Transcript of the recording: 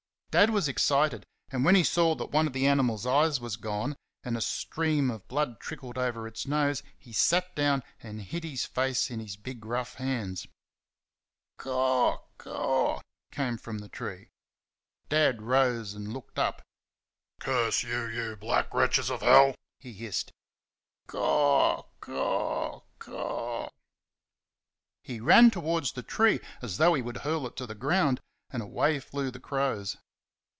Dad was excited, and when he saw that one of the animal's eyes was gone and a stream of blood trickled over its nose he sat down and hid his face in his big rough hands. "CAW, CAW!" came from the tree. Dad rose and looked up. "CURSE you!" he hissed "you black wretches of hell!" "CAW, CAW, CAW" He ran towards the tree as though he would hurl it to the ground, and away flew the crows.